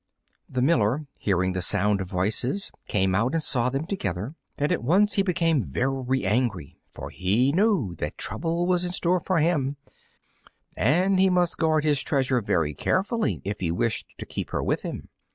The miller, hearing the sound of voices, came out and saw them together, and at once he became very angry, for he knew that trouble was in store for him, and he must guard his treasure very carefully if he wished to keep her with him.